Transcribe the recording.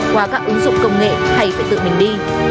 qua các ứng dụng công nghệ hay phải tự mình đi